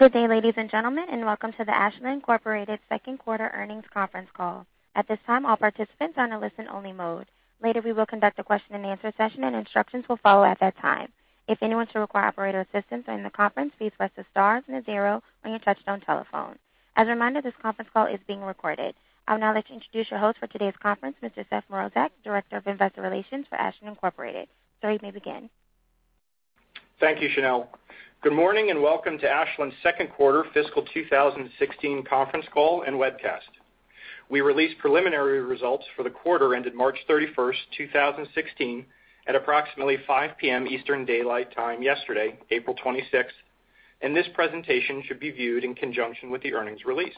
Good day, ladies and gentlemen, and welcome to the Ashland Incorporated second quarter earnings conference call. At this time, all participants are in a listen-only mode. Later, we will conduct a question-and-answer session and instructions will follow at that time. If anyone should require operator assistance during the conference, please press the star and the zero on your touch-tone telephone. As a reminder, this conference call is being recorded. I would now like to introduce your host for today's conference, Mr. Seth Mrozek, Director of Investor Relations for Ashland Incorporated. Sir, you may begin. Thank you, Chanel. Good morning and welcome to Ashland's second quarter fiscal 2016 conference call and webcast. We released preliminary results for the quarter ended March 31st, 2016 at approximately 5:00 P.M. Eastern Daylight Time yesterday, April 26th, and this presentation should be viewed in conjunction with the earnings release.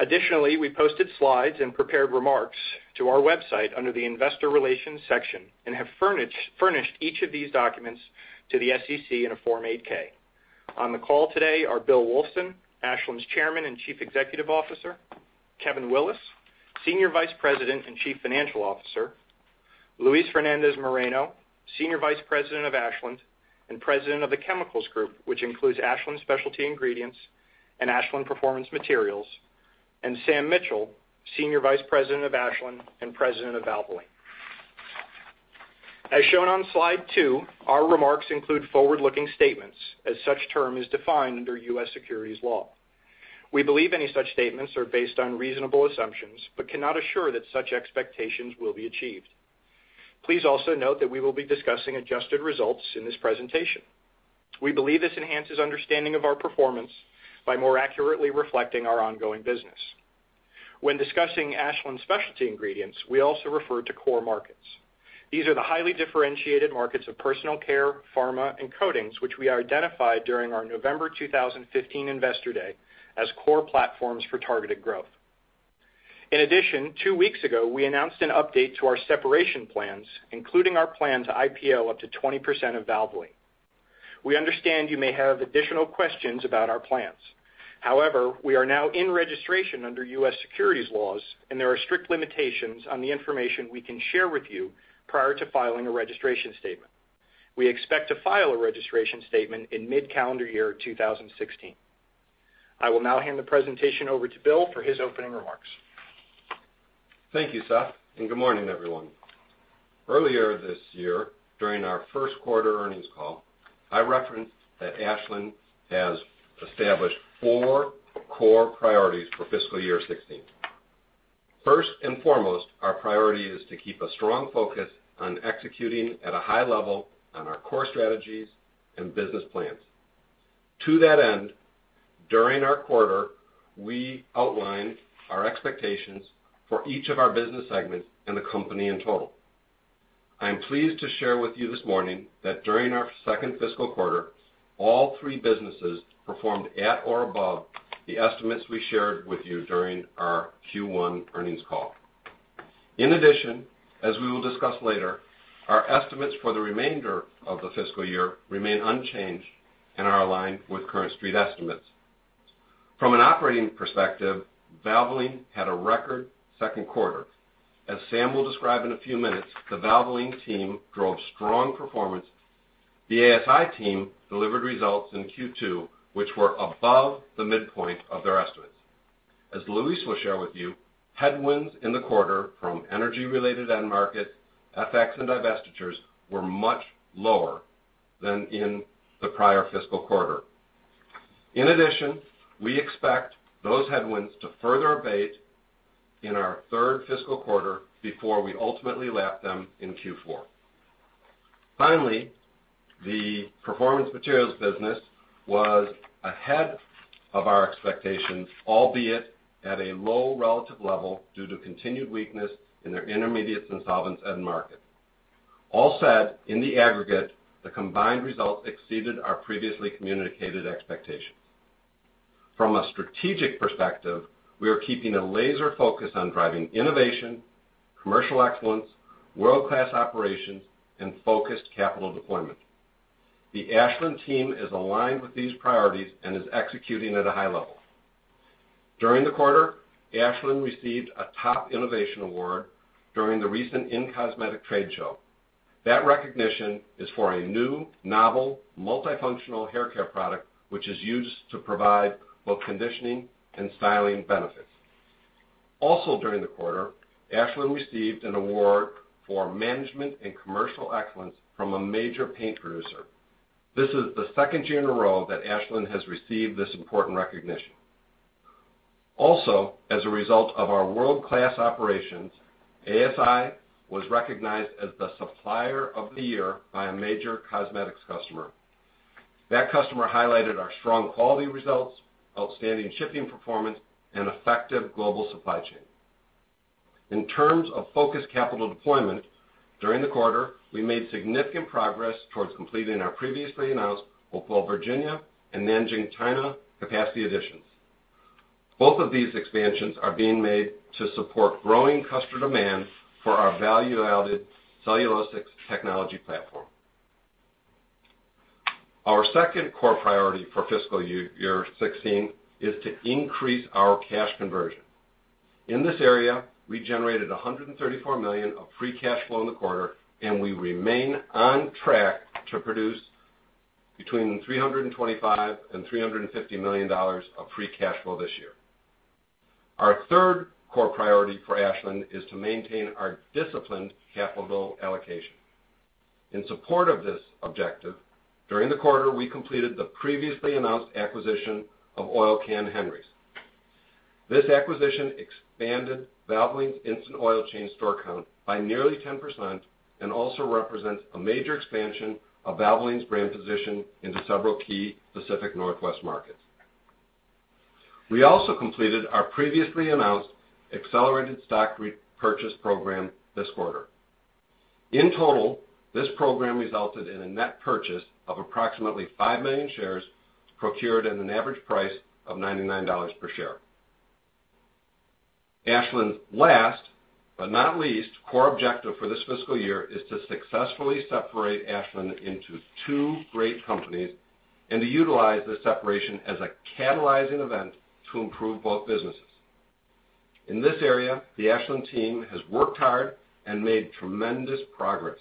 Additionally, we posted slides and prepared remarks to our website under the investor relations section and have furnished each of these documents to the SEC in a Form 8-K. On the call today are Bill Wulfsohn, Ashland's Chairman and Chief Executive Officer, Kevin Willis, Senior Vice President and Chief Financial Officer, Luis Fernandez-Moreno, Senior Vice President of Ashland and President of the Chemicals Group, which includes Ashland Specialty Ingredients and Ashland Performance Materials, and Sam Mitchell, Senior Vice President of Ashland and President of Valvoline. As shown on slide two, our remarks include forward-looking statements as such term is defined under U.S. securities law. We believe any such statements are based on reasonable assumptions, but cannot assure that such expectations will be achieved. Please also note that we will be discussing adjusted results in this presentation. We believe this enhances understanding of our performance by more accurately reflecting our ongoing business. When discussing Ashland Specialty Ingredients, we also refer to core markets. These are the highly differentiated markets of personal care, pharma, and coatings, which we identified during our November 2015 investor day as core platforms for targeted growth. In addition, two weeks ago, we announced an update to our separation plans, including our plan to IPO up to 20% of Valvoline. We understand you may have additional questions about our plans. We are now in registration under U.S. securities laws, and there are strict limitations on the information we can share with you prior to filing a registration statement. We expect to file a registration statement in mid-calendar year 2016. I will now hand the presentation over to Bill for his opening remarks. Thank you, Seth, and good morning, everyone. Earlier this year, during our first quarter earnings call, I referenced that Ashland has established four core priorities for fiscal year 2016. First and foremost, our priority is to keep a strong focus on executing at a high level on our core strategies and business plans. To that end, during our quarter, we outlined our expectations for each of our business segments and the company in total. I am pleased to share with you this morning that during our second fiscal quarter, all three businesses performed at or above the estimates we shared with you during our Q1 earnings call. In addition, as we will discuss later, our estimates for the remainder of the fiscal year remain unchanged and are aligned with current street estimates. From an operating perspective, Valvoline had a record second quarter. As Sam will describe in a few minutes, the Valvoline team drove strong performance. The ASI team delivered results in Q2, which were above the midpoint of their estimates. As Luis will share with you, headwinds in the quarter from energy-related end market, FX, and divestitures were much lower than in the prior fiscal quarter. We expect those headwinds to further abate in our third fiscal quarter before we ultimately lap them in Q4. Finally, the Performance Materials business was ahead of our expectations, albeit at a low relative level due to continued weakness in their Intermediates and Solvents end market. All said, in the aggregate, the combined results exceeded our previously communicated expectations. From a strategic perspective, we are keeping a laser focus on driving innovation, commercial excellence, world-class operations, and focused capital deployment. The Ashland team is aligned with these priorities and is executing at a high level. During the quarter, Ashland received a top innovation award during the recent in-cosmetics trade show. That recognition is for a new, novel, multifunctional haircare product, which is used to provide both conditioning and styling benefits. During the quarter, Ashland received an award for management and commercial excellence from a major paint producer. This is the second year in a row that Ashland has received this important recognition. As a result of our world-class operations, ASI was recognized as the supplier of the year by a major cosmetics customer. That customer highlighted our strong quality results, outstanding shipping performance, and effective global supply chain. In terms of focused capital deployment, during the quarter, we made significant progress towards completing our previously announced both Virginia and Nanjing, China capacity additions. Both of these expansions are being made to support growing customer demand for our value-added cellulosics technology platform. Our second core priority for fiscal year 2016 is to increase our cash conversion. In this area, we generated $134 million of free cash flow in the quarter, and we remain on track to produce between $325 million and $350 million of free cash flow this year. Our third core priority for Ashland is to maintain our disciplined capital allocation. In support of this objective, during the quarter, we completed the previously announced acquisition of Oil Can Henry's. This acquisition expanded Valvoline Instant Oil Change store count by nearly 10% and also represents a major expansion of Valvoline's brand position into several key Pacific Northwest markets. We completed our previously announced accelerated stock repurchase program this quarter. In total, this program resulted in a net purchase of approximately 5 million shares, procured at an average price of $99 per share. Ashland's last, but not least, core objective for this fiscal year is to successfully separate Ashland into two great companies and to utilize this separation as a catalyzing event to improve both businesses. In this area, the Ashland team has worked hard and made tremendous progress.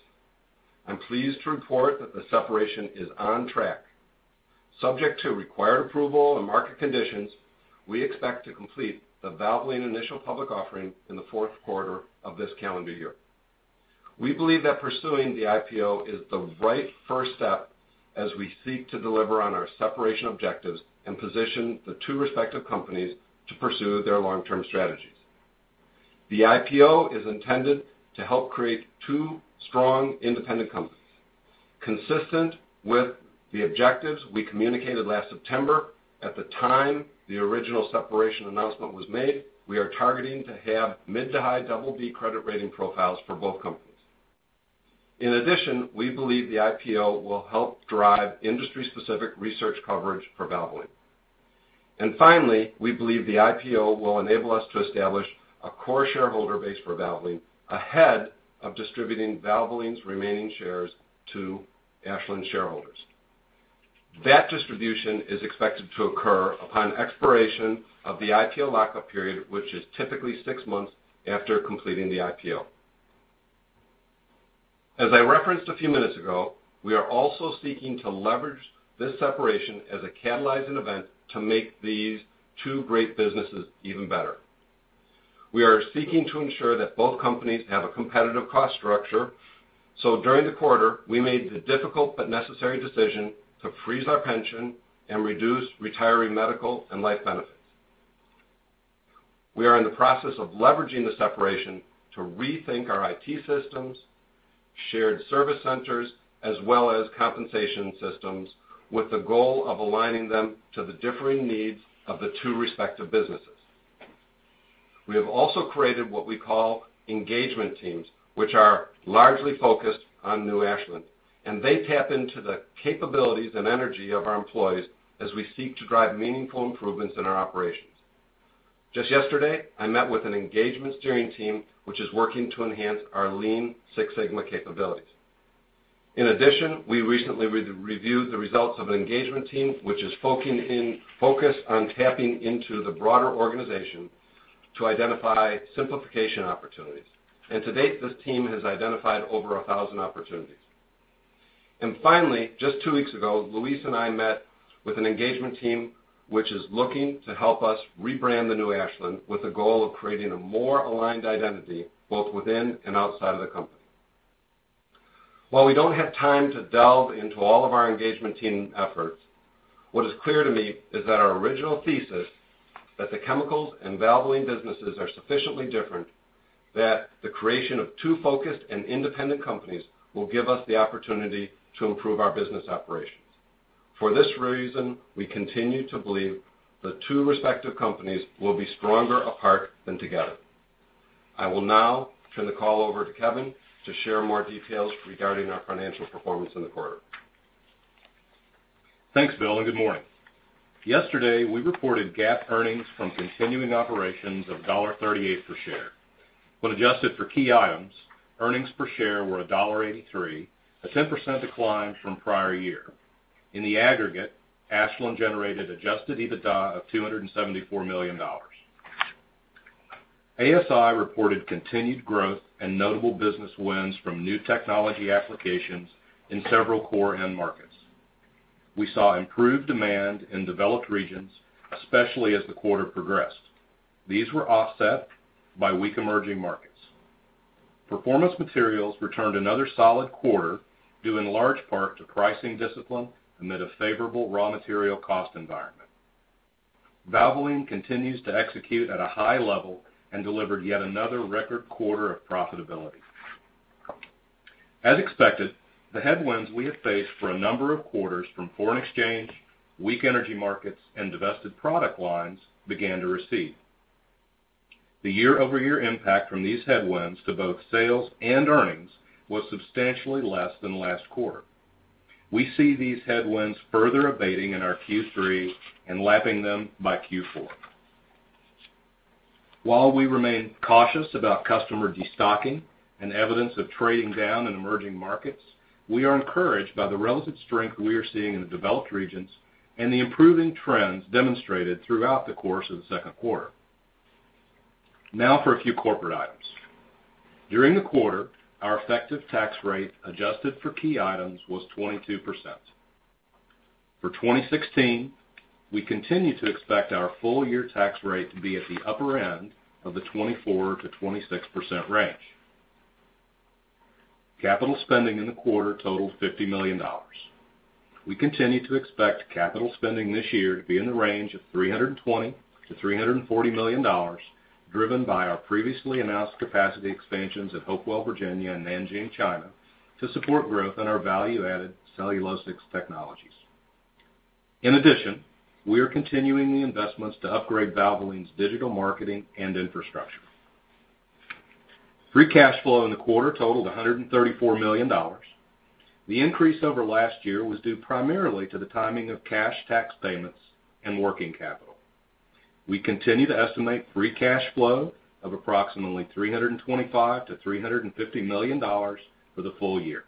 I'm pleased to report that the separation is on track. Subject to required approval and market conditions, we expect to complete the Valvoline initial public offering in the fourth quarter of this calendar year. We believe that pursuing the IPO is the right first step as we seek to deliver on our separation objectives and position the two respective companies to pursue their long-term strategies. The IPO is intended to help create two strong independent companies. Consistent with the objectives we communicated last September at the time the original separation announcement was made, we are targeting to have mid to high BB credit rating profiles for both companies. In addition, we believe the IPO will help drive industry-specific research coverage for Valvoline. Finally, we believe the IPO will enable us to establish a core shareholder base for Valvoline ahead of distributing Valvoline's remaining shares to Ashland shareholders. That distribution is expected to occur upon expiration of the IPO lockup period, which is typically 6 months after completing the IPO. As I referenced a few minutes ago, we are also seeking to leverage this separation as a catalyzing event to make these two great businesses even better. We are seeking to ensure that both companies have a competitive cost structure. During the quarter, we made the difficult but necessary decision to freeze our pension and reduce retiree medical and life benefits. We are in the process of leveraging the separation to rethink our IT systems, shared service centers, as well as compensation systems, with the goal of aligning them to the differing needs of the two respective businesses. We have also created what we call engagement teams, which are largely focused on new Ashland. They tap into the capabilities and energy of our employees as we seek to drive meaningful improvements in our operations. Just yesterday, I met with an engagement steering team, which is working to enhance our Lean Six Sigma capabilities. In addition, we recently reviewed the results of an engagement team, which is focused on tapping into the broader organization to identify simplification opportunities. To date, this team has identified over 1,000 opportunities. Finally, just 2 weeks ago, Luis and I met with an engagement team, which is looking to help us rebrand the new Ashland with the goal of creating a more aligned identity, both within and outside of the company. While we don't have time to delve into all of our engagement team efforts, what is clear to me is that our original thesis that the Chemicals and Valvoline businesses are sufficiently different, that the creation of two focused and independent companies will give us the opportunity to improve our business operations. For this reason, we continue to believe the two respective companies will be stronger apart than together. I will now turn the call over to Kevin to share more details regarding our financial performance in the quarter. Thanks, Bill, and good morning. Yesterday, we reported GAAP earnings from continuing operations of $1.38 per share. When adjusted for key items, earnings per share were $1.83, a 10% decline from prior year. In the aggregate, Ashland generated adjusted EBITDA of $274 million. ASI reported continued growth and notable business wins from new technology applications in several core end markets. We saw improved demand in developed regions, especially as the quarter progressed. These were offset by weak emerging markets. Performance Materials returned another solid quarter, due in large part to pricing discipline amid a favorable raw material cost environment. Valvoline continues to execute at a high level and delivered yet another record quarter of profitability. As expected, the headwinds we have faced for a number of quarters from foreign exchange, weak energy markets, and divested product lines began to recede. The year-over-year impact from these headwinds to both sales and earnings was substantially less than last quarter. We see these headwinds further abating in our Q3 and lapping them by Q4. While we remain cautious about customer destocking and evidence of trading down in emerging markets, we are encouraged by the relative strength we are seeing in the developed regions and the improving trends demonstrated throughout the course of the second quarter. Now for a few corporate items. During the quarter, our effective tax rate adjusted for key items was 22%. For 2016, we continue to expect our full-year tax rate to be at the upper end of the 24%-26% range. Capital spending in the quarter totaled $50 million. We continue to expect capital spending this year to be in the range of $320 million-$340 million, driven by our previously announced capacity expansions at Hopewell, Virginia, and Nanjing, China, to support growth in our value-added cellulosics technologies. In addition, we are continuing the investments to upgrade Valvoline's digital marketing and infrastructure. Free cash flow in the quarter totaled $134 million. The increase over last year was due primarily to the timing of cash tax payments and working capital. We continue to estimate free cash flow of approximately $325 million-$350 million for the full year.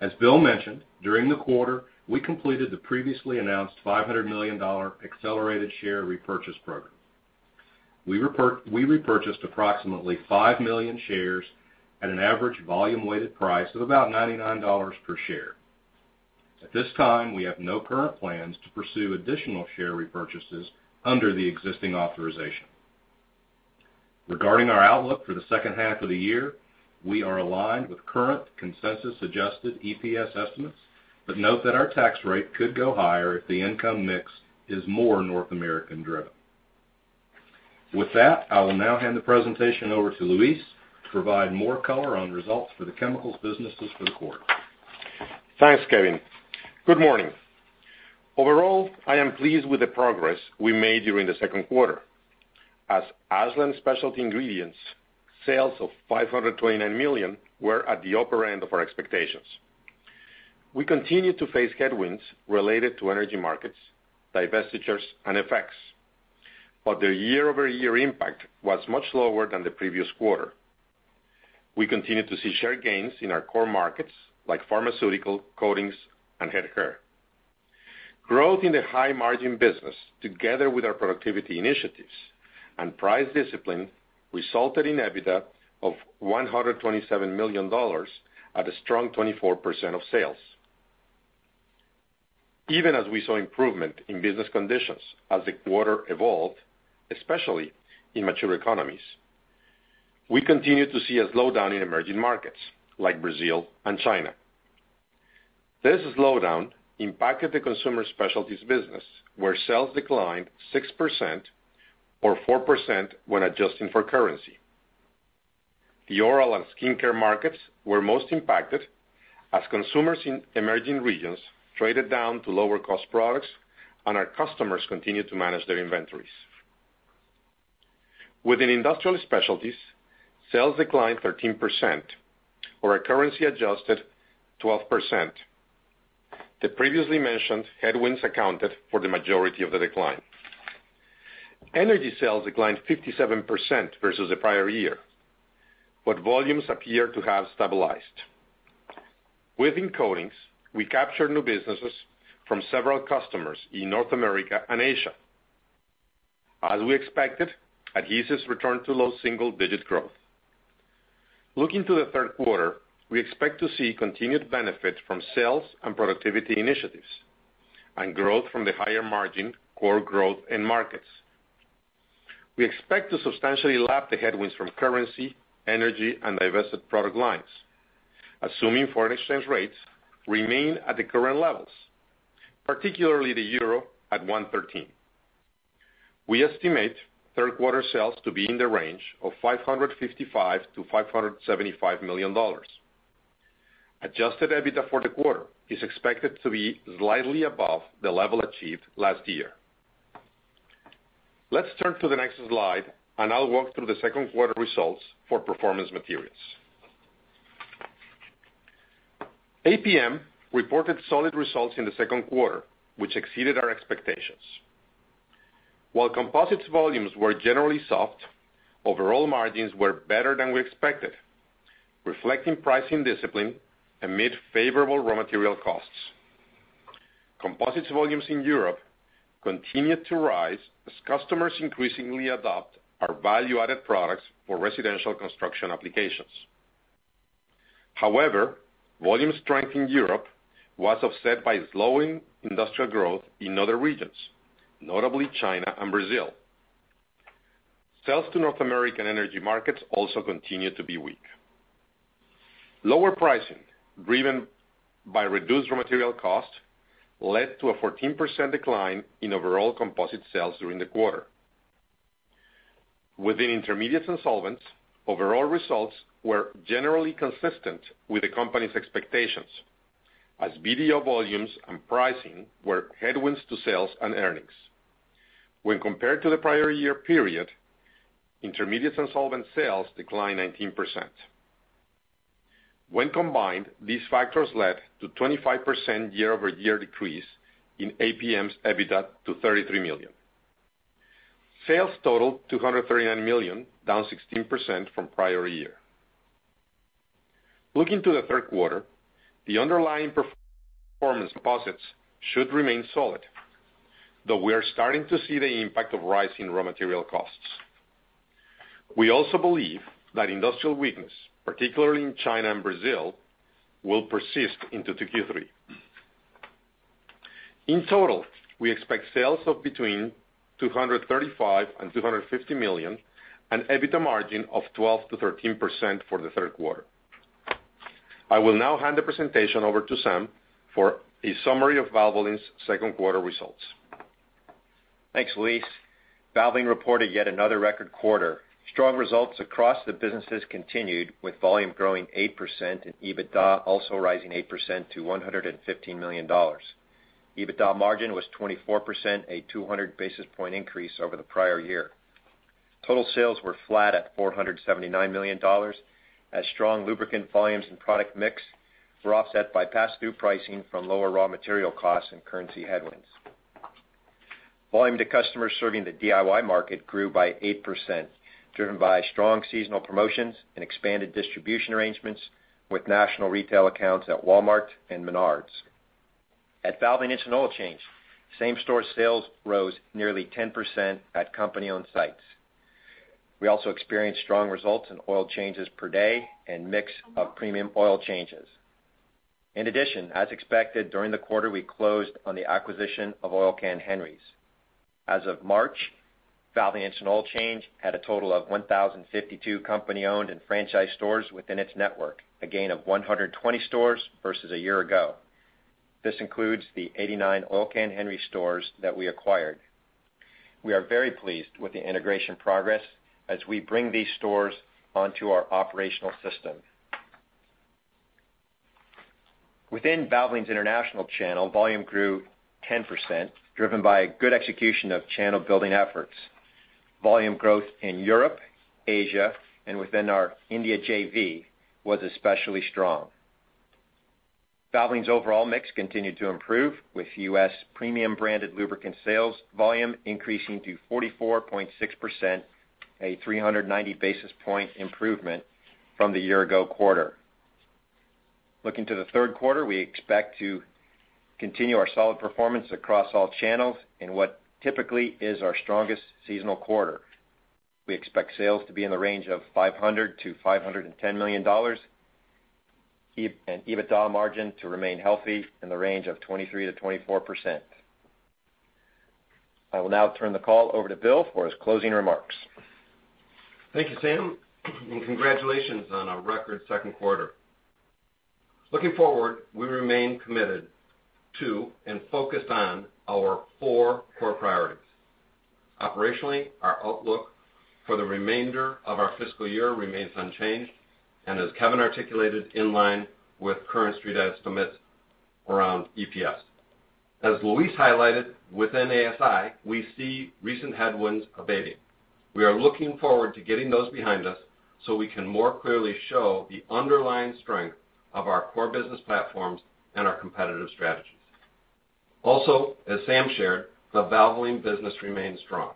As Bill mentioned, during the quarter, we completed the previously announced $500 million accelerated share repurchase program. We repurchased approximately five million shares at an average volume-weighted price of about $99 per share. At this time, we have no current plans to pursue additional share repurchases under the existing authorization. Regarding our outlook for the second half of the year, we are aligned with current consensus-adjusted EPS estimates, but note that our tax rate could go higher if the income mix is more North American driven. With that, I will now hand the presentation over to Luis to provide more color on results for the Chemicals Group for the quarter. Thanks, Kevin. Good morning. Overall, I am pleased with the progress we made during the second quarter, as Ashland Specialty Ingredients sales of $529 million were at the upper end of our expectations. We continue to face headwinds related to energy markets, divestitures, and FX, but the year-over-year impact was much lower than the previous quarter. We continue to see share gains in our core markets like pharmaceutical, coatings, and head hair. Growth in the high-margin business, together with our productivity initiatives and price discipline, resulted in EBITDA of $127 million at a strong 24% of sales. Even as we saw improvement in business conditions as the quarter evolved, especially in mature economies, we continued to see a slowdown in emerging markets like Brazil and China. This slowdown impacted the Consumer Specialties business, where sales declined 6%, or 4% when adjusting for currency. The oral and skincare markets were most impacted as consumers in emerging regions traded down to lower-cost products and our customers continued to manage their inventories. Within Industrial Specialties, sales declined 13%, or currency-adjusted, 12%. The previously mentioned headwinds accounted for the majority of the decline. Energy sales declined 57% versus the prior year, but volumes appear to have stabilized. Within Coatings, we captured new businesses from several customers in North America and Asia. As we expected, adhesives returned to low single-digit growth. Looking to the third quarter, we expect to see continued benefit from sales and productivity initiatives and growth from the higher margin core growth end markets. We expect to substantially lap the headwinds from currency, energy, and divested product lines, assuming foreign exchange rates remain at the current levels, particularly the EUR at 113. We estimate third-quarter sales to be in the range of $555 million-$575 million. Adjusted EBITDA for the quarter is expected to be slightly above the level achieved last year. Let's turn to the next slide, and I'll walk through the second quarter results for Performance Materials. APM reported solid results in the second quarter, which exceeded our expectations. While composites volumes were generally soft, overall margins were better than we expected, reflecting pricing discipline amid favorable raw material costs. Composites volumes in Europe continued to rise as customers increasingly adopt our value-added products for residential construction applications. However, volume strength in Europe was offset by slowing industrial growth in other regions, notably China and Brazil. Sales to North American energy markets also continued to be weak. Lower pricing, driven by reduced raw material costs, led to a 14% decline in overall composite sales during the quarter. Within Intermediates and Solvents, overall results were generally consistent with the company's expectations as BDO volumes and pricing were headwinds to sales and earnings. When compared to the prior year period, Intermediates and Solvents sales declined 19%. When combined, these factors led to a 25% year-over-year decrease in APM's EBITDA to $33 million. Sales totaled $239 million, down 16% from prior year. Looking to the third quarter, the underlying performance of composites should remain solid, though we are starting to see the impact of rising raw material costs. We also believe that industrial weakness, particularly in China and Brazil, will persist into Q3. In total, we expect sales of between $235 million and $250 million and EBITDA margin of 12%-13% for the third quarter. I will now hand the presentation over to Sam for a summary of Valvoline's second quarter results. Thanks, Luis. Valvoline reported yet another record quarter. Strong results across the businesses continued, with volume growing 8% and EBITDA also rising 8% to $115 million. EBITDA margin was 24%, a 200 basis point increase over the prior year. Total sales were flat at $479 million, as strong lubricant volumes and product mix were offset by pass-through pricing from lower raw material costs and currency headwinds. Volume to customers serving the DIY market grew by 8%, driven by strong seasonal promotions and expanded distribution arrangements with national retail accounts at Walmart and Menards. At Valvoline Instant Oil Change, same-store sales rose nearly 10% at company-owned sites. We also experienced strong results in oil changes per day and mix of premium oil changes. In addition, as expected, during the quarter, we closed on the acquisition of Oil Can Henry's. As of March, Valvoline Instant Oil Change had a total of 1,052 company-owned and franchised stores within its network, a gain of 120 stores versus a year ago. This includes the 89 Oil Can Henry's stores that we acquired. We are very pleased with the integration progress as we bring these stores onto our operational system. Within Valvoline's international channel, volume grew 10%, driven by good execution of channel building efforts. Volume growth in Europe, Asia, and within our India JV was especially strong. Valvoline's overall mix continued to improve, with U.S. premium branded lubricant sales volume increasing to 44.6%, a 390 basis point improvement from the year ago quarter. Looking to the third quarter, we expect to continue our solid performance across all channels in what typically is our strongest seasonal quarter. We expect sales to be in the range of $500 million-$510 million and EBITDA margin to remain healthy in the range of 23%-24%. I will now turn the call over to Bill for his closing remarks. Thank you, Sam, and congratulations on a record second quarter. Looking forward, we remain committed to and focused on our four core priorities. Operationally, our outlook for the remainder of our fiscal year remains unchanged, and as Kevin articulated, in line with current street estimates around EPS. As Luis highlighted within ASI, we see recent headwinds abating. We are looking forward to getting those behind us so we can more clearly show the underlying strength of our core business platforms and our competitive strategies. Also, as Sam shared, the Valvoline business remains strong.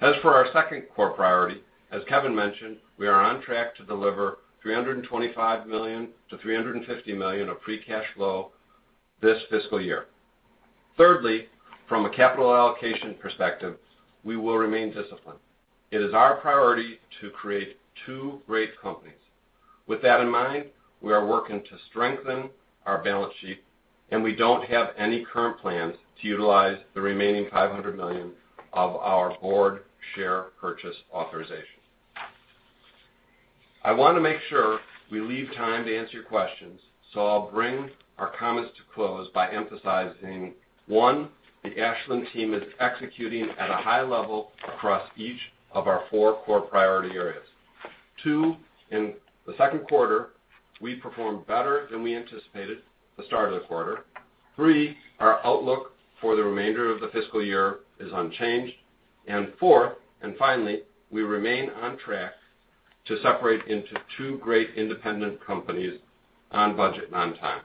As for our second core priority, as Kevin mentioned, we are on track to deliver $325 million-$350 million of free cash flow this fiscal year. From a capital allocation perspective, we will remain disciplined. It is our priority to create two great companies. With that in mind, we are working to strengthen our balance sheet, and we don't have any current plans to utilize the remaining $500 million of our board share purchase authorization. I want to make sure we leave time to answer your questions, so I'll bring our comments to close by emphasizing, one, the Ashland team is executing at a high level across each of our four core priority areas. Two, in the second quarter, we performed better than we anticipated at the start of the quarter. Three, our outlook for the remainder of the fiscal year is unchanged. Four, and finally, we remain on track to separate into two great independent companies on budget and on time.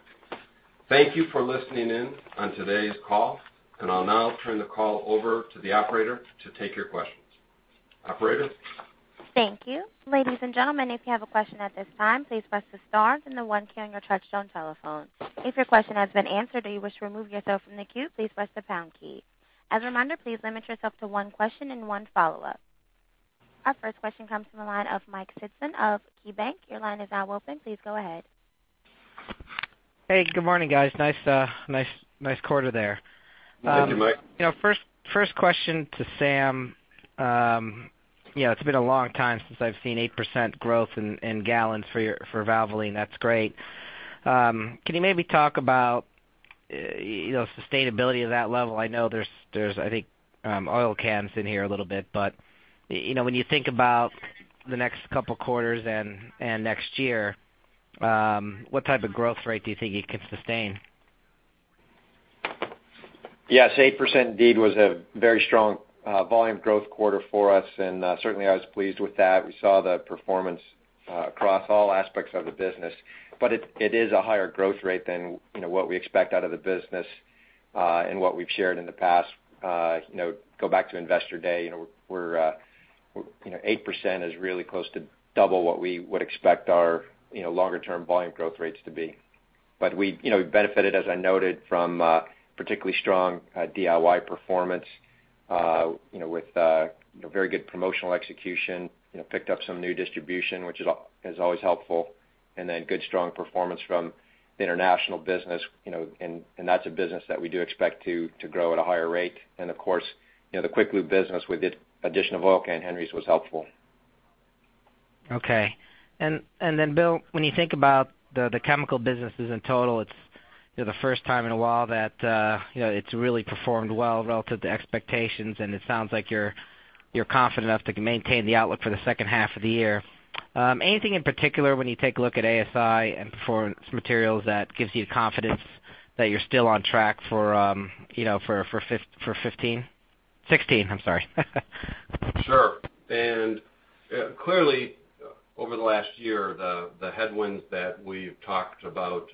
Thank you for listening in on today's call, and I'll now turn the call over to the operator to take your questions. Operator? Thank you. Ladies and gentlemen, if you have a question at this time, please press the star then the one key on your touchtone telephone. If your question has been answered or you wish to remove yourself from the queue, please press the pound key. As a reminder, please limit yourself to one question and one follow-up. Our first question comes from the line of Michael Sison of KeyBanc. Your line is now open. Please go ahead. Hey, good morning, guys. Nice quarter there. Thank you, Mike. First question to Sam. It's been a long time since I've seen 8% growth in gallons for Valvoline. That's great. Can you maybe talk about sustainability of that level? I know there's, I think, Oil Can's in here a little bit, but when you think about the next couple quarters and next year, what type of growth rate do you think it could sustain? Yes, 8% indeed was a very strong volume growth quarter for us, and certainly I was pleased with that. We saw the performance across all aspects of the business. It is a higher growth rate than what we expect out of the business and what we've shared in the past. Go back to Investor Day, 8% is really close to double what we would expect our longer-term volume growth rates to be. We benefited, as I noted, from particularly strong DIY performance, with very good promotional execution. Picked up some new distribution, which is always helpful, and then good strong performance from the international business. That's a business that we do expect to grow at a higher rate. Of course, the quick-lube business with the addition of Oil Can Henry's was helpful. Okay. Then, Bill, when you think about the chemical businesses in total, it's the first time in a while that it's really performed well relative to expectations. It sounds like you're confident enough to maintain the outlook for the second half of the year. Anything in particular when you take a look at ASI and Performance Materials that gives you confidence that you're still on track for 2015? 2016, I'm sorry. Sure. Clearly, over the last year, the headwinds that we've talked about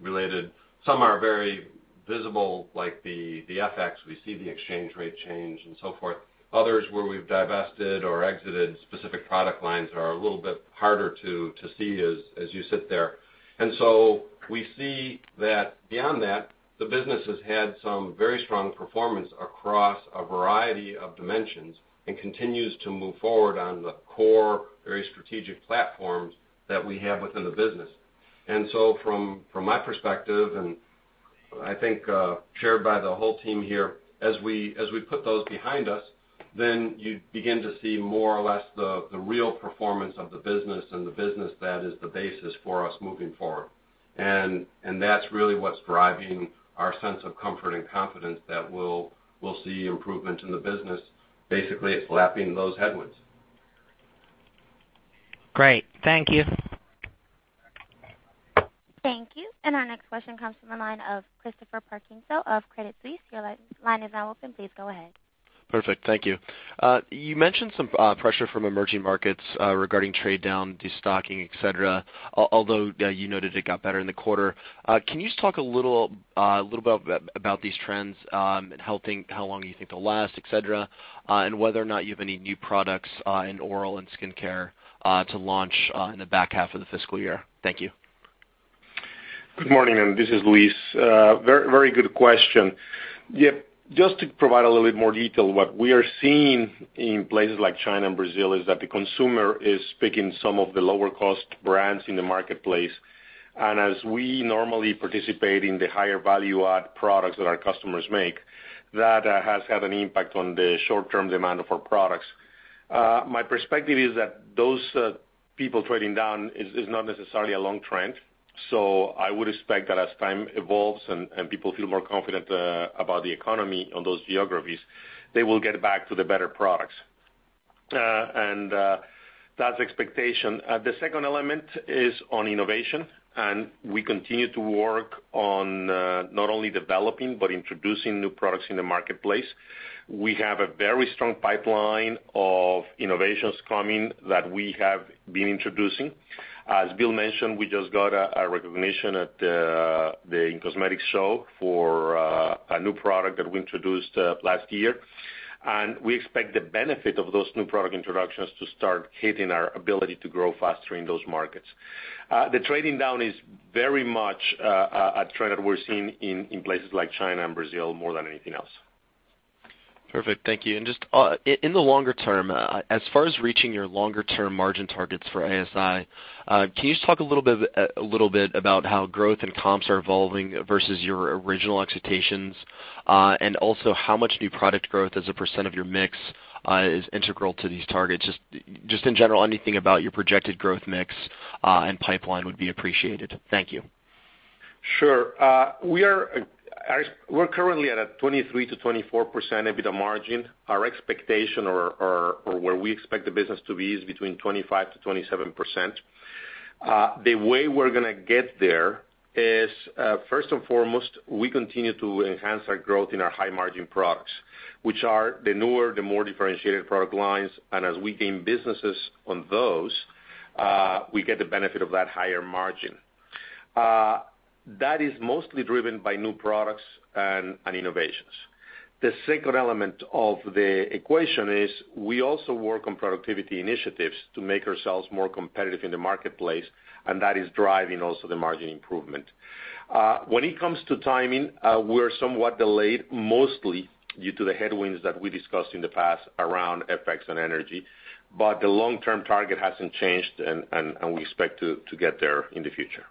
related, some are very visible, like the FX, we see the exchange rate change and so forth. Others where we've divested or exited specific product lines are a little bit harder to see as you sit there. So we see that beyond that, the business has had some very strong performance across a variety of dimensions and continues to move forward on the core, very strategic platforms that we have within the business. So from my perspective, and I think shared by the whole team here, as we put those behind us, then you begin to see more or less the real performance of the business and the business that is the basis for us moving forward. That's really what's driving our sense of comfort and confidence that we'll see improvement in the business, basically it's lapping those headwinds. Great. Thank you. Thank you. Our next question comes from the line of Christopher Parkinson of Credit Suisse. Your line is now open. Please go ahead. Perfect. Thank you. You mentioned some pressure from emerging markets regarding trade down, destocking, et cetera. Although you noted it got better in the quarter. Can you just talk a little bit about these trends, and how long you think they'll last, et cetera, and whether or not you have any new products in oral and skincare to launch in the back half of the fiscal year? Thank you. Good morning, this is Luis. Very good question. Yep. Just to provide a little bit more detail, what we are seeing in places like China and Brazil is that the consumer is picking some of the lower-cost brands in the marketplace. As we normally participate in the higher value add products that our customers make, that has had an impact on the short-term demand of our products. My perspective is that those people trading down is not necessarily a long trend. So I would expect that as time evolves and people feel more confident about the economy on those geographies, they will get back to the better products. That's expectation. The second element is on innovation, we continue to work on not only developing, but introducing new products in the marketplace. We have a very strong pipeline of innovations coming that we have been introducing. As Bill mentioned, we just got a recognition at the in-cosmetics show for a new product that we introduced last year. We expect the benefit of those new product introductions to start hitting our ability to grow faster in those markets. The trading down is very much a trend that we're seeing in places like China and Brazil more than anything else. Perfect. Thank you. Just in the longer term, as far as reaching your longer-term margin targets for ASI, can you just talk a little bit about how growth and comps are evolving versus your original expectations? Also how much new product growth as a % of your mix is integral to these targets? Just in general, anything about your projected growth mix and pipeline would be appreciated. Thank you. Sure. We're currently at a 23%-24% EBITDA margin. Our expectation or where we expect the business to be is between 25%-27%. The way we're going to get there is, first and foremost, we continue to enhance our growth in our high margin products, which are the newer, the more differentiated product lines. As we gain businesses on those, we get the benefit of that higher margin. That is mostly driven by new products and innovations. The second element of the equation is we also work on productivity initiatives to make ourselves more competitive in the marketplace, that is driving also the margin improvement. When it comes to timing, we're somewhat delayed, mostly due to the headwinds that we discussed in the past around FX and energy, the long-term target hasn't changed, we expect to get there in the future.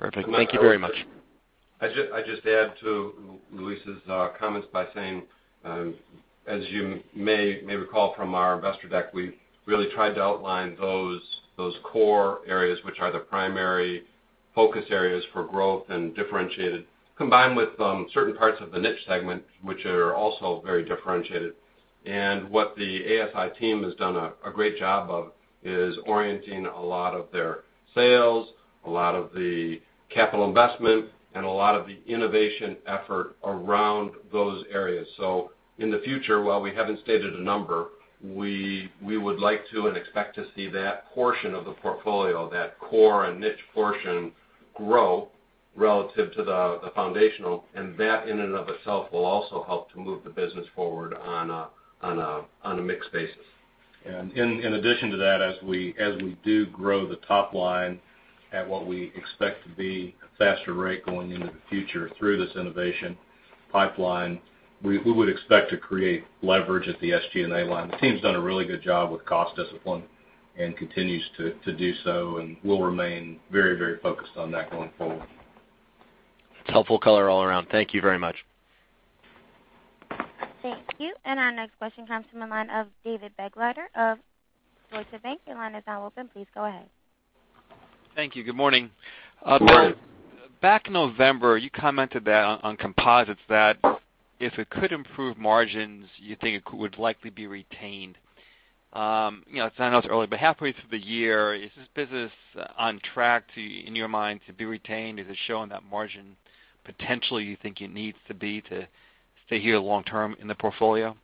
Perfect. Thank you very much. I'd just add to Luis's comments by saying, as you may recall from our investor deck, we really tried to outline those core areas, which are the primary focus areas for growth and differentiated, combined with certain parts of the niche segment, which are also very differentiated. What the ASI team has done a great job of is orienting a lot of their sales, a lot of the capital investment, and a lot of the innovation effort around those areas. In the future, while we haven't stated a number, we would like to and expect to see that portion of the portfolio, that core and niche portion, grow relative to the foundational, that in and of itself will also help to move the business forward on a mix basis. In addition to that, as we do grow the top line at what we expect to be a faster rate going into the future through this innovation pipeline, we would expect to create leverage at the SG&A line. The team's done a really good job with cost discipline and continues to do so and will remain very focused on that going forward. Helpful color all around. Thank you very much. Thank you. Our next question comes from the line of David Begleiter of Deutsche Bank. Your line is now open. Please go ahead. Thank you. Good morning. Good morning. Back in November, you commented that on composites that if it could improve margins, you think it would likely be retained. I know it's early, but halfway through the year, is this business on track, in your mind, to be retained? Is it showing that margin potentially you think it needs to be to stay here long term in the portfolio?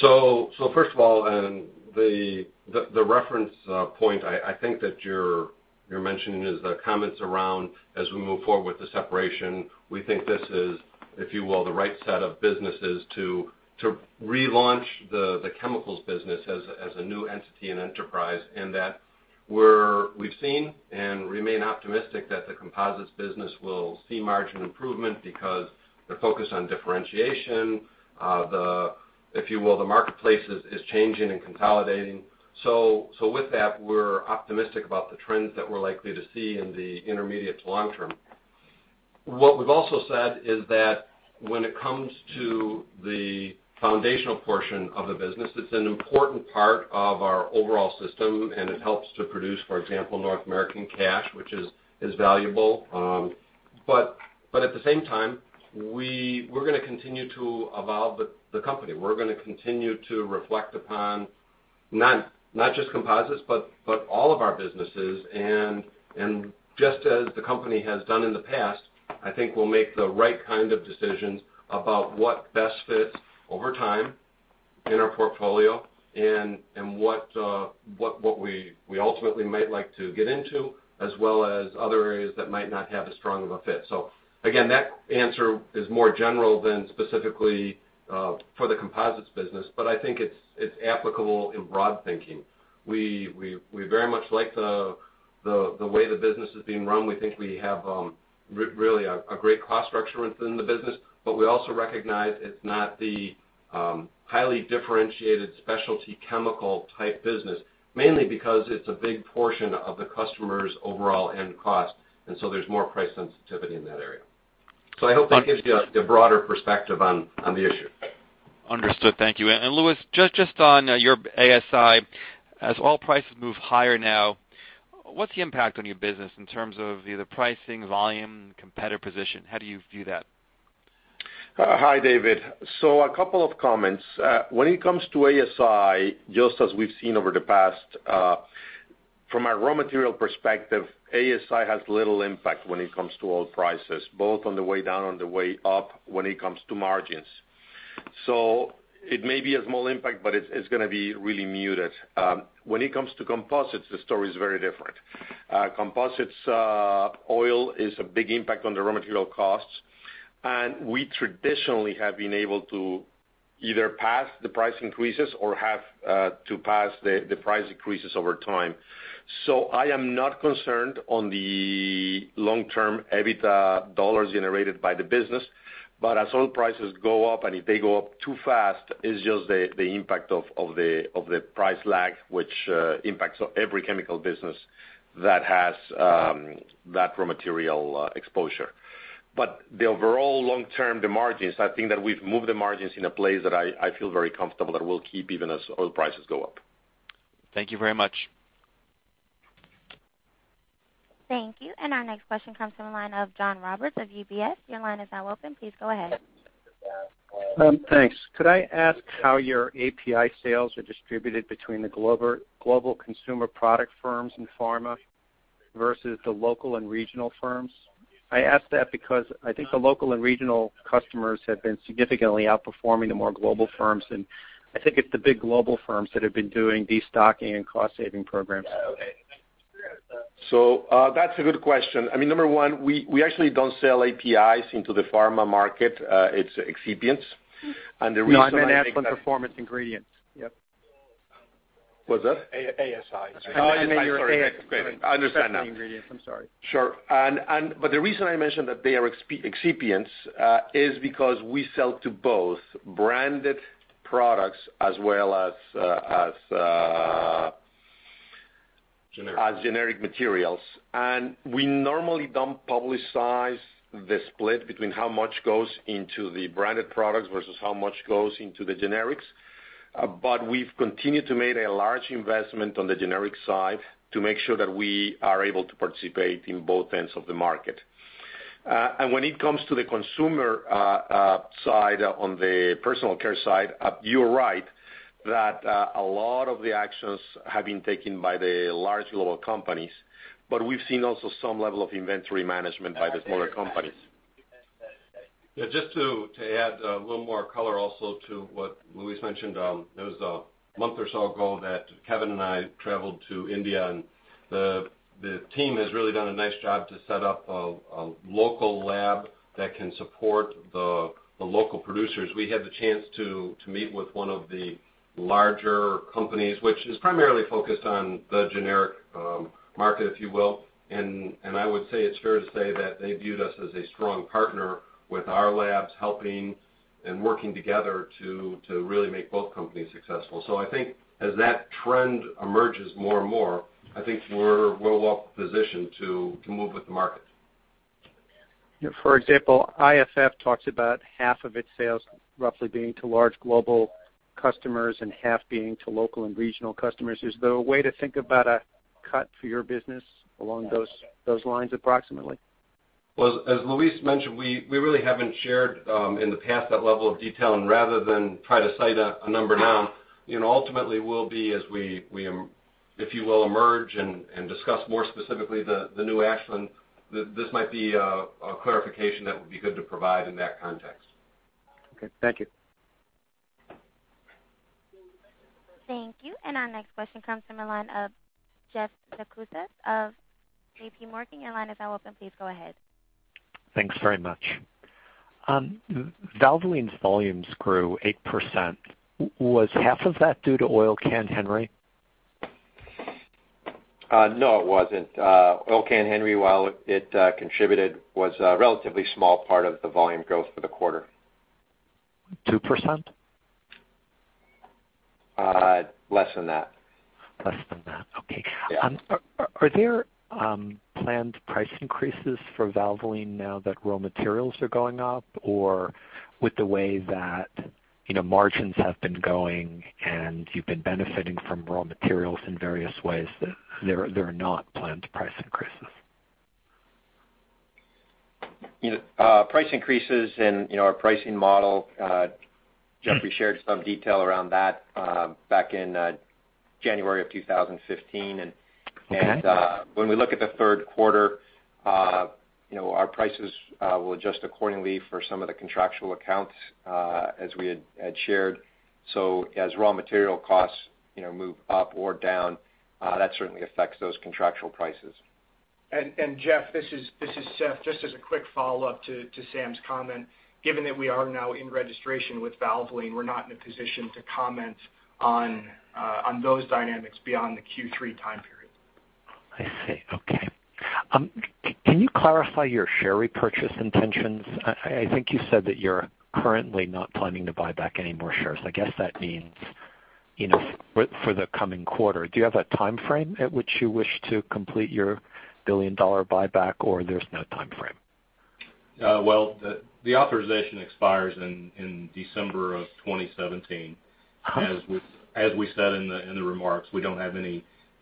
First of all, the reference point I think that you're mentioning is the comments around as we move forward with the separation, we think this is, if you will, the right set of businesses to relaunch the chemicals business as a new entity and enterprise, and that we've seen and remain optimistic that the composites business will see margin improvement because the focus on differentiation, if you will, the marketplace is changing and consolidating. With that, we're optimistic about the trends that we're likely to see in the intermediate to long term. What we've also said is that when it comes to the foundational portion of the business, it's an important part of our overall system, and it helps to produce, for example, North American cash, which is valuable. At the same time, we're going to continue to evolve the company. We're going to continue to reflect upon not just composites, but all of our businesses. Just as the company has done in the past, I think we'll make the right kind of decisions about what best fits over time in our portfolio and what we ultimately might like to get into, as well as other areas that might not have as strong of a fit. Again, that answer is more general than specifically for the composites business, but I think it's applicable in broad thinking. We very much like the way the business is being run. We think we have really a great cost structure within the business, but we also recognize it's not the highly differentiated specialty chemical type business, mainly because it's a big portion of the customer's overall end cost, and there's more price sensitivity in that area. I hope that gives you a broader perspective on the issue. Understood. Thank you. Luis, just on your ASI, as oil prices move higher now, what's the impact on your business in terms of either pricing, volume, competitive position? How do you view that? Hi, David. A couple of comments. When it comes to ASI, just as we've seen over the past, from a raw material perspective, ASI has little impact when it comes to oil prices, both on the way down, on the way up, when it comes to margins. It may be a small impact, but it's gonna be really muted. When it comes to composites, the story is very different. Composites oil is a big impact on the raw material costs, and we traditionally have been able to either pass the price increases or have to pass the price increases over time. I am not concerned on the long-term EBITDA dollars generated by the business. As oil prices go up, and if they go up too fast, it's just the impact of the price lag, which impacts every chemical business that has that raw material exposure. The overall long term, the margins, I think that we've moved the margins in a place that I feel very comfortable that we'll keep even as oil prices go up. Thank you very much. Thank you. Our next question comes from the line of John Roberts of UBS. Your line is now open. Please go ahead. Thanks. Could I ask how your ASI sales are distributed between the global consumer product firms in pharma versus the local and regional firms? I ask that because I think the local and regional customers have been significantly outperforming the more global firms, and I think it's the big global firms that have been doing destocking and cost-saving programs. That's a good question. I mean, number one, we actually don't sell APIs into the pharma market. It's excipients. The reason No, I meant Ashland Specialty Ingredients. Yep. What's that? ASI. Oh, I meant your ASI. I understand now. Specialty Ingredients. I'm sorry. Sure. The reason I mentioned that they are excipients is because we sell to both branded products as well as- Generic as generic materials. We normally don't publicize the split between how much goes into the branded products versus how much goes into the generics. We've continued to make a large investment on the generic side to make sure that we are able to participate in both ends of the market. When it comes to the consumer side, on the personal care side, you are right, that a lot of the actions have been taken by the large global companies, but we've seen also some level of inventory management by the smaller companies. Yeah, just to add a little more color also to what Luis mentioned. It was a month or so ago that Kevin and I traveled to India, and the team has really done a nice job to set up a local lab that can support the local producers, we had the chance to meet with one of the larger companies, which is primarily focused on the generic market, if you will. I would say it's fair to say that they viewed us as a strong partner with our labs helping and working together to really make both companies successful. I think as that trend emerges more and more, I think we're well positioned to move with the market. For example, IFF talks about half of its sales roughly being to large global customers and half being to local and regional customers. Is there a way to think about a cut for your business along those lines, approximately? Well, as Luis mentioned, we really haven't shared in the past that level of detail. Rather than try to cite a number now, ultimately we'll be as we, if you will, emerge and discuss more specifically the new Ashland, this might be a clarification that would be good to provide in that context. Okay. Thank you. Thank you. Our next question comes from the line of Jeff Zekauskas of JPMorgan. Your line is now open. Please go ahead. Thanks very much. Valvoline's volumes grew 8%. Was half of that due to Oil Can Henry? No, it wasn't. Oil Can Henry, while it contributed, was a relatively small part of the volume growth for the quarter. 2%? Less than that. Less than that, okay. Yeah. Are there planned price increases for Valvoline now that raw materials are going up? With the way that margins have been going and you've been benefiting from raw materials in various ways, there are not planned price increases? Price increases and our pricing model, Jeffrey shared some detail around that back in January of 2015. Okay. When we look at the third quarter, our prices will adjust accordingly for some of the contractual accounts, as we had shared. As raw material costs move up or down, that certainly affects those contractual prices. Jeff, this is Seth. Just as a quick follow-up to Sam's comment. Given that we are now in registration with Valvoline, we're not in a position to comment on those dynamics beyond the Q3 time period. I see. Okay. Can you clarify your share repurchase intentions? I think you said that you're currently not planning to buy back any more shares. I guess that means for the coming quarter. Do you have a timeframe at which you wish to complete your billion-dollar buyback, or there's no timeframe? Well, the authorization expires in December 2017. As we said in the remarks, we don't have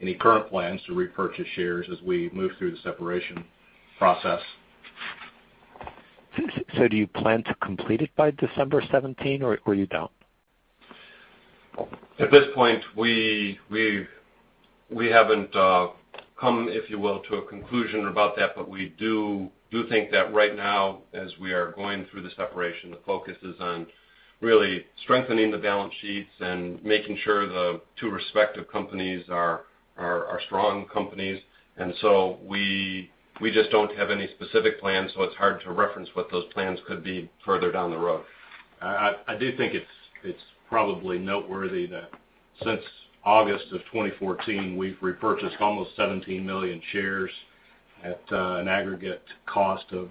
any current plans to repurchase shares as we move through the separation process. Do you plan to complete it by December 2017, or you don't? At this point, we haven't come, if you will, to a conclusion about that. We do think that right now, as we are going through the separation, the focus is on really strengthening the balance sheets and making sure the two respective companies are strong companies. We just don't have any specific plans, so it's hard to reference what those plans could be further down the road. I do think it's probably noteworthy that since August 2014, we've repurchased almost 17 million shares at an aggregate cost of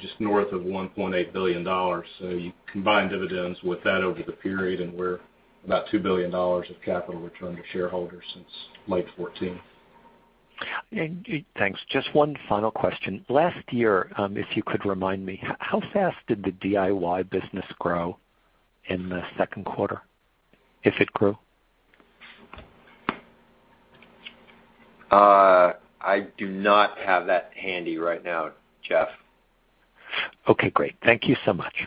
just north of $1.8 billion. You combine dividends with that over the period, and we're about $2 billion of capital returned to shareholders since late 2014. Thanks. Just one final question. Last year, if you could remind me, how fast did the DIY business grow in the second quarter, if it grew? I do not have that handy right now, Jeff. Okay, great. Thank you so much.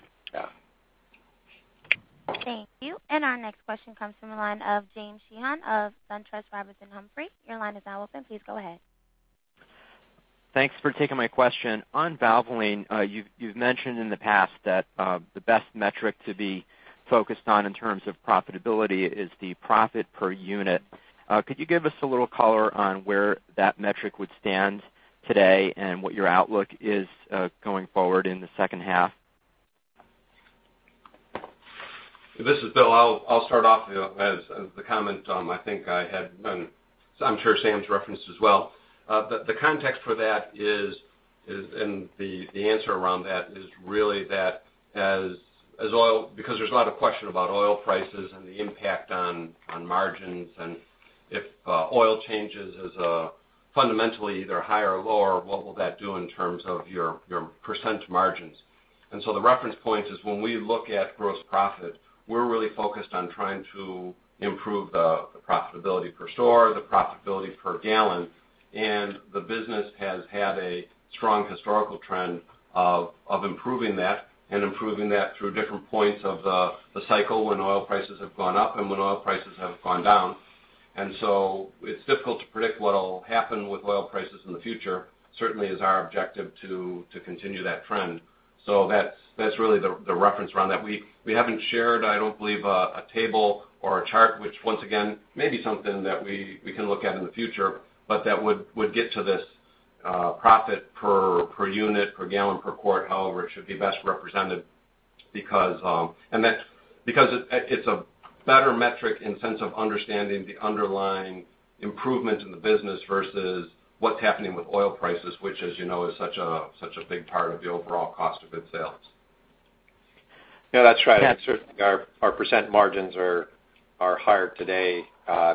Yeah. Thank you. Our next question comes from the line of James Sheehan of SunTrust Robinson Humphrey. Your line is now open. Please go ahead. Thanks for taking my question. On Valvoline, you've mentioned in the past that the best metric to be focused on in terms of profitability is the profit per unit. Could you give us a little color on where that metric would stand today and what your outlook is going forward in the second half? This is Bill. I'll start off as the comment, I think I had been, I'm sure Sam's referenced as well. The context for that is, the answer around that is really that as oil, because there's a lot of question about oil prices and the impact on margins, if oil changes as fundamentally either higher or lower, what will that do in terms of your % margins? The reference point is when we look at gross profit, we're really focused on trying to improve the profitability per store, the profitability per gallon, the business has had a strong historical trend of improving that, improving that through different points of the cycle when oil prices have gone up and when oil prices have gone down. It's difficult to predict what'll happen with oil prices in the future. Certainly is our objective to continue that trend. That's really the reference around that. We haven't shared, I don't believe, a table or a chart, which once again, may be something that we can look at in the future, but that would get to this Profit per unit, per gallon, per quart, however it should be best represented. It's a better metric in sense of understanding the underlying improvement in the business versus what's happening with oil prices, which, as you know, is such a big part of the overall cost of goods sales. Yeah, that's right. Yeah. Certainly, our percent margins are higher today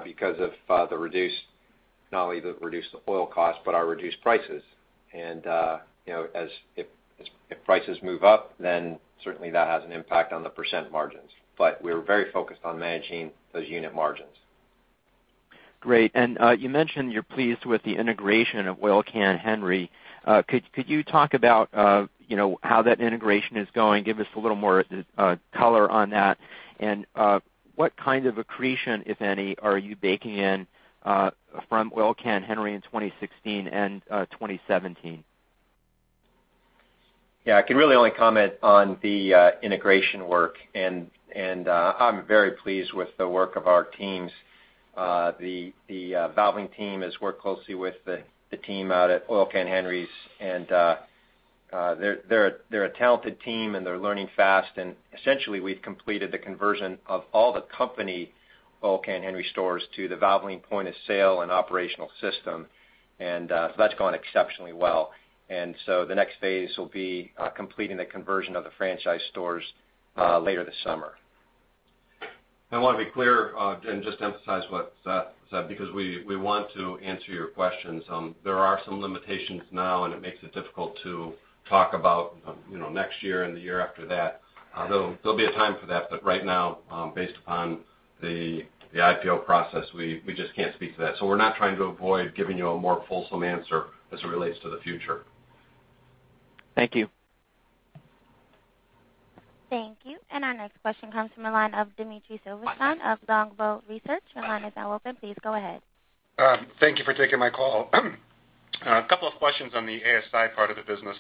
because of not only the reduced oil cost, but our reduced prices. If prices move up, then certainly that has an impact on the percent margins. We're very focused on managing those unit margins. Great. You mentioned you're pleased with the integration of Oil Can Henry's. Could you talk about how that integration is going? Give us a little more color on that. What kind of accretion, if any, are you baking in from Oil Can Henry's in 2016 and 2017? I can really only comment on the integration work, and I'm very pleased with the work of our teams. The Valvoline team has worked closely with the team out at Oil Can Henry's, and they're a talented team, and they're learning fast. Essentially, we've completed the conversion of all the company Oil Can Henry's stores to the Valvoline point-of-sale and operational system. That's gone exceptionally well. The next phase will be completing the conversion of the franchise stores later this summer. I want to be clear and just emphasize what Seth said, because we want to answer your questions. There are some limitations now, and it makes it difficult to talk about next year and the year after that. There'll be a time for that, but right now, based upon the IPO process, we just can't speak to that. We're not trying to avoid giving you a more fulsome answer as it relates to the future. Thank you. Thank you. Our next question comes from the line of Dmitry Silversteyn of Longbow Research. Your line is now open. Please go ahead. Thank you for taking my call. A couple of questions on the ASI part of the business.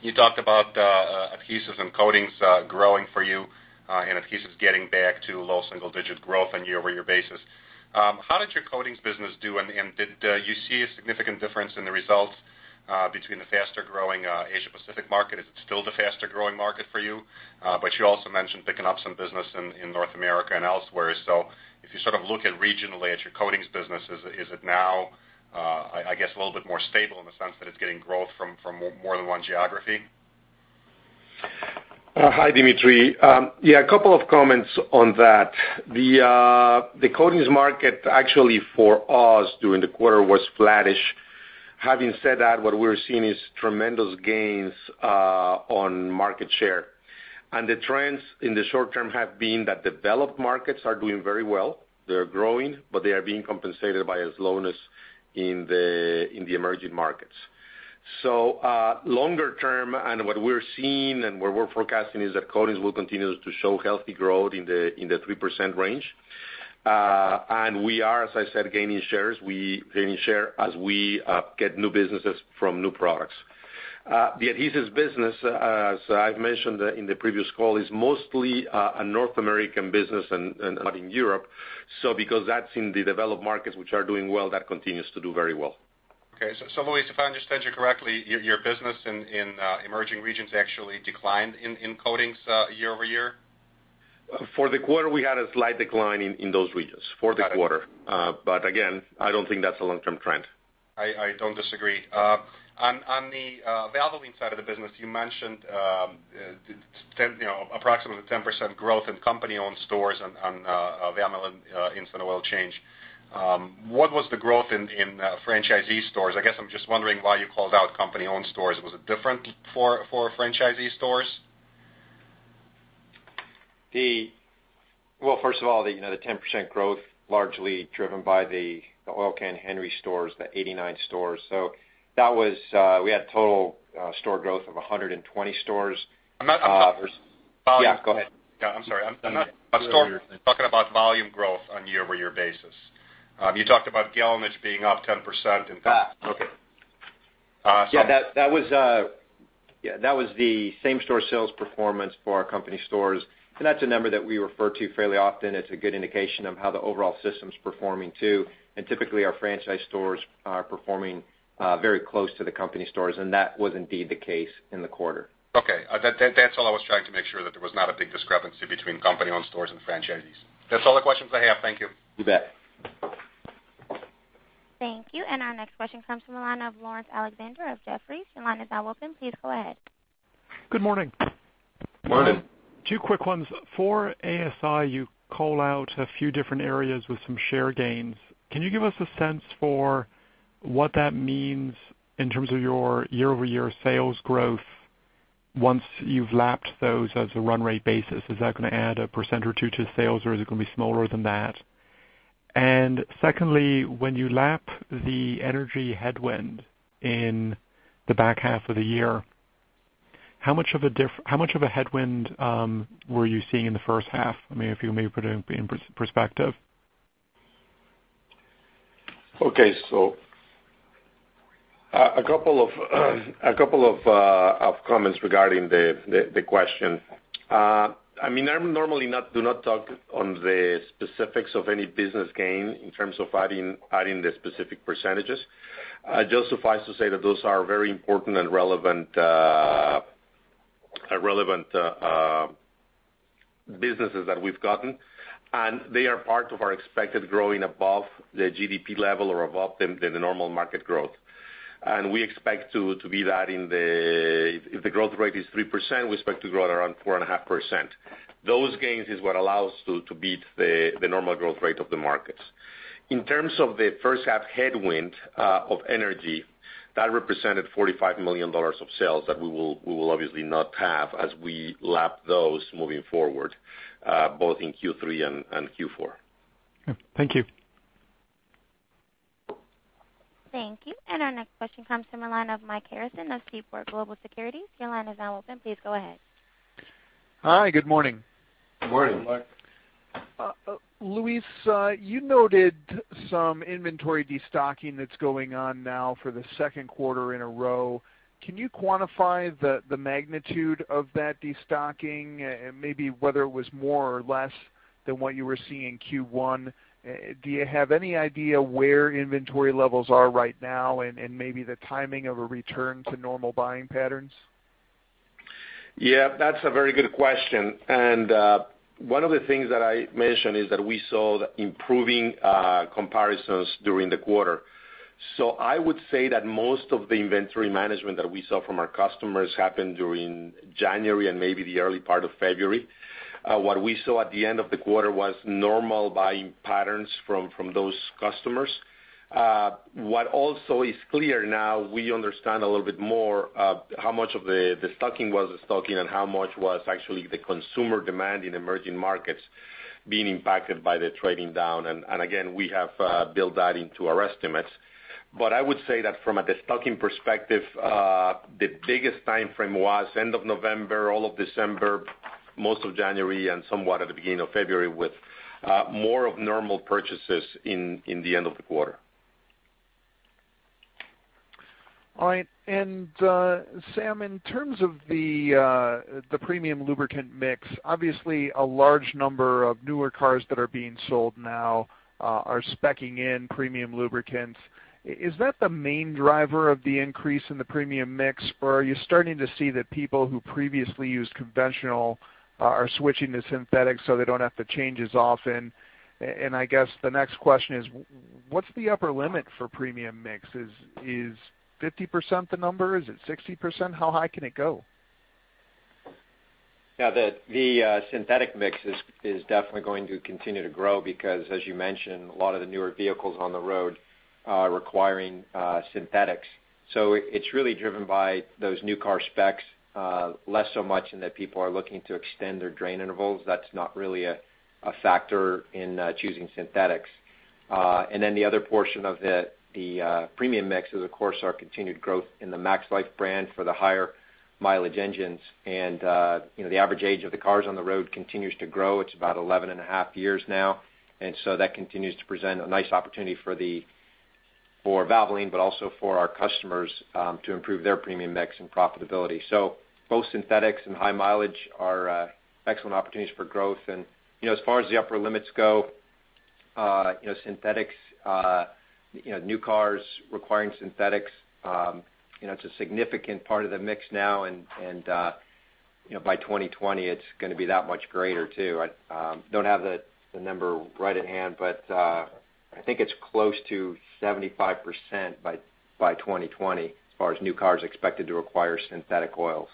You talked about adhesives and coatings growing for you, and adhesives getting back to low single-digit growth on a year-over-year basis. How did your coatings business do, and did you see a significant difference in the results between the faster-growing Asia Pacific market? Is it still the faster-growing market for you? You also mentioned picking up some business in North America and elsewhere. If you sort of look at regionally at your coatings business, is it now, I guess, a little bit more stable in the sense that it's getting growth from more than one geography? Hi, Dmitry. Yeah, a couple of comments on that. The coatings market actually for us during the quarter was flattish. Having said that, what we're seeing is tremendous gains on market share. The trends in the short term have been that developed markets are doing very well. They're growing, but they are being compensated by a slowness in the emerging markets. Longer term, what we're seeing and what we're forecasting is that coatings will continue to show healthy growth in the 3% range. We are, as I said, gaining shares. We're gaining share as we get new businesses from new products. The adhesives business, as I've mentioned in the previous call, is mostly a North American business and not in Europe. Because that's in the developed markets, which are doing well, that continues to do very well. Okay. Luis, if I understand you correctly, your business in emerging regions actually declined in coatings year-over-year? For the quarter, we had a slight decline in those regions. For the quarter. Got it. Again, I don't think that's a long-term trend. I don't disagree. On the Valvoline side of the business, you mentioned approximately 10% growth in company-owned stores on Valvoline Instant Oil Change. What was the growth in franchisee stores? I guess I'm just wondering why you called out company-owned stores. Was it different for franchisee stores? Well, first of all, the 10% growth largely driven by the Oil Can Henry's stores, the 89 stores. We had total store growth of 120 stores. I'm not- Yeah, go ahead. No, I'm sorry. I'm still talking about volume growth on a year-over-year basis. You talked about gallonage being up 10% in- Okay. Yeah, that was the same-store sales performance for our company stores. That's a number that we refer to fairly often as a good indication of how the overall system's performing, too. Typically, our franchise stores are performing very close to the company stores, and that was indeed the case in the quarter. Okay. That's all. I was trying to make sure that there was not a big discrepancy between company-owned stores and franchisees. That's all the questions I have. Thank you. You bet. Thank you. Our next question comes from the line of Laurence Alexander of Jefferies. Your line is now open. Please go ahead. Good morning. Morning. Two quick ones. For ASI, you call out a few different areas with some share gains. Can you give us a sense for what that means in terms of your year-over-year sales growth once you've lapped those as a run-rate basis? Is that going to add a % or two to sales, or is it going to be smaller than that? Secondly, when you lap the energy headwind in the back half of the year, how much of a headwind were you seeing in the first half? I mean, if you maybe put it in perspective. Okay, a couple of comments regarding the question. I normally do not talk on the specifics of any business gain in terms of adding the specific %. Just suffice to say that those are very important and relevant businesses that we've gotten, and they are part of our expected growing above the GDP level or above the normal market growth. We expect to be that, if the growth rate is 3%, we expect to grow at around 4.5%. Those gains is what allow us to beat the normal growth rate of the markets. In terms of the first half headwind of energy, that represented $45 million of sales that we will obviously not have as we lap those moving forward, both in Q3 and Q4. Okay. Thank you. Thank you. Our next question comes from the line of Michael Harrison of Seaport Global Securities. Your line is now open. Please go ahead. Hi. Good morning. Good morning. Good morning. Luis, you noted some inventory destocking that's going on now for the second quarter in a row. Can you quantify the magnitude of that destocking, and maybe whether it was more or less than what you were seeing in Q1? Do you have any idea where inventory levels are right now and maybe the timing of a return to normal buying patterns? Yeah, that's a very good question. One of the things that I mentioned is that we saw the improving comparisons during the quarter. I would say that most of the inventory management that we saw from our customers happened during January and maybe the early part of February. What we saw at the end of the quarter was normal buying patterns from those customers. What also is clear now, we understand a little bit more of how much of the stocking was the stocking and how much was actually the consumer demand in emerging markets being impacted by the trading down. Again, we have built that into our estimates. I would say that from a destocking perspective, the biggest timeframe was end of November, all of December, most of January, and somewhat at the beginning of February, with more of normal purchases in the end of the quarter. All right. Sam, in terms of the premium lubricant mix, obviously a large number of newer cars that are being sold now are speccing in premium lubricants. Is that the main driver of the increase in the premium mix, or are you starting to see that people who previously used conventional are switching to synthetic so they don't have to change as often? I guess the next question is, what's the upper limit for premium mix? Is 50% the number? Is it 60%? How high can it go? Yeah, the synthetic mix is definitely going to continue to grow because, as you mentioned, a lot of the newer vehicles on the road are requiring synthetics. It's really driven by those new car specs, less so much in that people are looking to extend their drain intervals. That's not really a factor in choosing synthetics. Then the other portion of the premium mix is, of course, our continued growth in the MaxLife brand for the higher mileage engines. The average age of the cars on the road continues to grow. It's about 11 and a half years now. That continues to present a nice opportunity for Valvoline, but also for our customers to improve their premium mix and profitability. Both synthetics and high mileage are excellent opportunities for growth. As far as the upper limits go, new cars requiring synthetics, it's a significant part of the mix now, and by 2020, it's going to be that much greater, too. I don't have the number right at hand, but I think it's close to 75% by 2020 as far as new cars expected to require synthetic oils.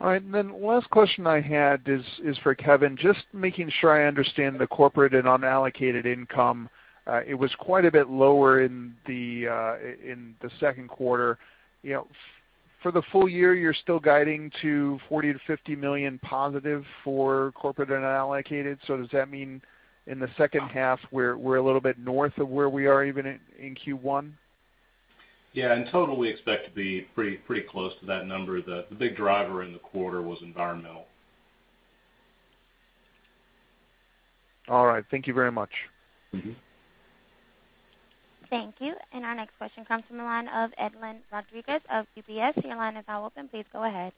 All right. Last question I had is for Kevin. Just making sure I understand the corporate and unallocated income. It was quite a bit lower in the second quarter. For the full year, you're still guiding to $40 million-$50 million positive for corporate and unallocated. Does that mean in the second half, we're a little bit north of where we are even in Q1? Yeah, in total, we expect to be pretty close to that number. The big driver in the quarter was environmental. All right. Thank you very much. Thank you. Our next question comes from the line of Edlain Rodriguez of UBS. Your line is now open. Please go ahead.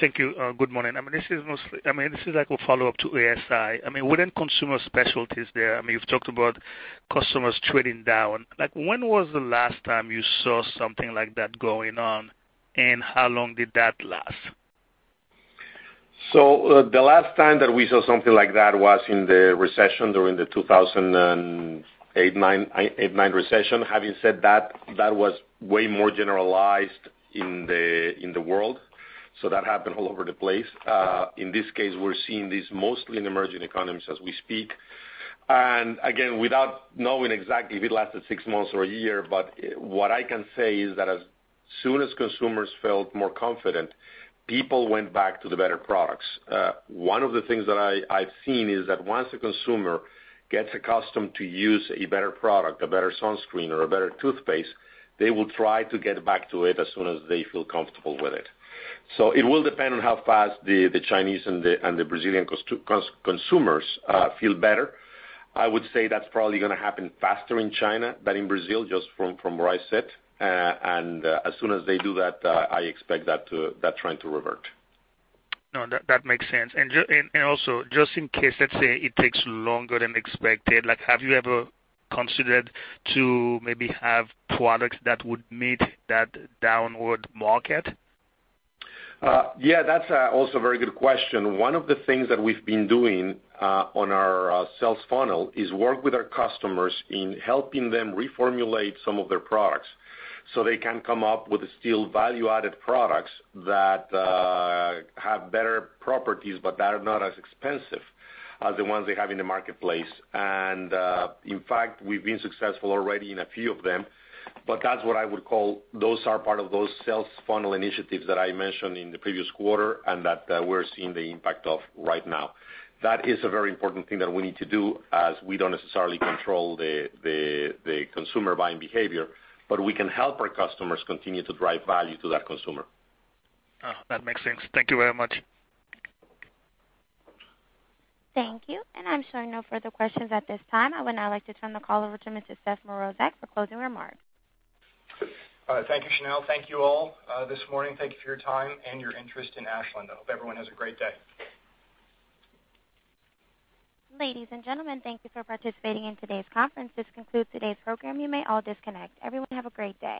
Thank you. Good morning. This is like a follow-up to ASI. Within Consumer Specialties there, you've talked about customers trading down. When was the last time you saw something like that going on, and how long did that last? The last time that we saw something like that was in the recession during the 2008, 2009 recession. Having said that was way more generalized in the world. That happened all over the place. In this case, we're seeing this mostly in emerging economies as we speak. Again, without knowing exactly if it lasted six months or a year, but what I can say is that as soon as consumers felt more confident, people went back to the better products. One of the things that I've seen is that once a consumer gets accustomed to use a better product, a better sunscreen, or a better toothpaste, they will try to get back to it as soon as they feel comfortable with it. It will depend on how fast the Chinese and the Brazilian consumers feel better. I would say that's probably gonna happen faster in China than in Brazil, just from where I sit. As soon as they do that, I expect that trend to revert. That makes sense. Also, just in case, let's say it takes longer than expected, have you ever considered to maybe have products that would meet that downward market? That's also a very good question. One of the things that we've been doing on our sales funnel is work with our customers in helping them reformulate some of their products so they can come up with still value-added products that have better properties, but that are not as expensive as the ones they have in the marketplace. In fact, we've been successful already in a few of them. That's what I would call, those are part of those sales funnel initiatives that I mentioned in the previous quarter and that we're seeing the impact of right now. That is a very important thing that we need to do as we don't necessarily control the consumer buying behavior, but we can help our customers continue to drive value to that consumer. That makes sense. Thank you very much. Thank you. I'm showing no further questions at this time. I would now like to turn the call over to Mr. Seth Mrozek for closing remarks. Thank you, Chanel. Thank you all this morning. Thank you for your time and your interest in Ashland. I hope everyone has a great day. Ladies and gentlemen, thank you for participating in today's conference. This concludes today's program. You may all disconnect. Everyone have a great day.